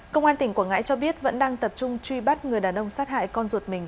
công an tỉnh quảng ngãi cho biết vẫn đang tập trung truy bắt người đàn ông sát hại con ruột mình